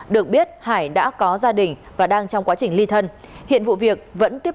được biết hải đã có gia đình và đang trong quá trình ly thân